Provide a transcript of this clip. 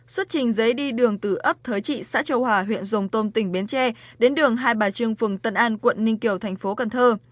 xuất trình giấy đi đường từ ấp thới trị xã châu hòa huyện rồng tôm tỉnh bến tre đến đường hai bà trương phường tân an quận ninh kiều thành phố cần thơ